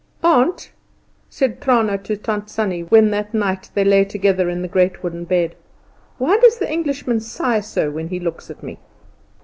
"Aunt," said Trana to Tant Sannie when that night they lay together in the great wooden bed, "why does the Englishman sigh so when he looks at me?"